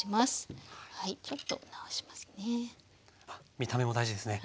見た目も大事ですね。